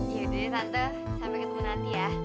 yaudah sate sampai ketemu nanti ya